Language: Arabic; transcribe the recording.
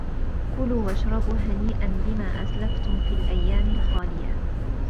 كُلوا وَاشرَبوا هَنيئًا بِما أَسلَفتُم فِي الأَيّامِ الخالِيَةِ